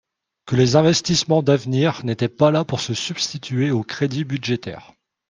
que les investissements d’avenir n’étaient pas là pour se substituer aux crédits budgétaires.